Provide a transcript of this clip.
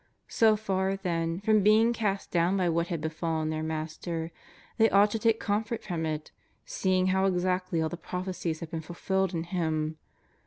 So far, then, from being cast down by what had befallen their Master, they ought to take comfort from it, seeing how exactly all the prophecies had been fulfilled in Him.